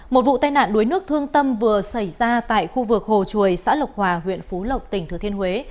một vụ tai nạn đuối nước thương tâm vừa xảy ra tại khu vực hồ chuồi xã lộc hòa huyện phú lộc tỉnh thừa thiên huế